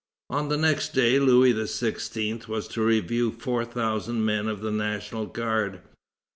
On the next day Louis XVI. was to review four thousand men of the National Guard.